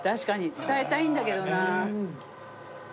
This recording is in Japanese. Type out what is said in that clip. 伝えたいんだけどな。